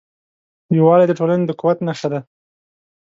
یووالی د ټولنې د قوت نښه ده.